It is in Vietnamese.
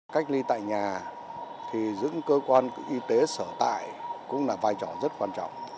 cách ly tại nhà thì dưỡng cơ quan y tế sở tại cũng là vai trò rất quan trọng